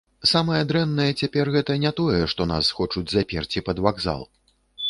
Самае дрэннае цяпер гэта не тое, што нас хочуць заперці пад вакзал.